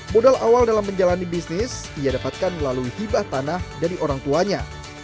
modal awal dalam menjalani bisnis ia dapatkan melalui hibah tanah dari orang tuanya